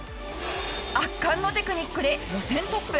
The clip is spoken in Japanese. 圧巻のテクニックで予選トップ。